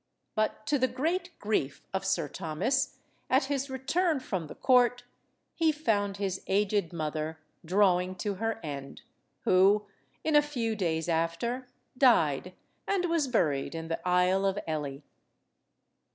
But, to the great grief of Sir Thomas, at his return from the court, he found his aged mother drawing to her end, who, in a few days after, died, and was buried in the Isle of Ely.